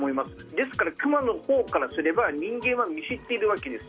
ですから、クマのほうからすれば人間は見知っているわけです。